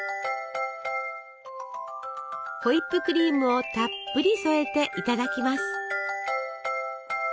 ホイップクリームをたっぷり添えていただきます。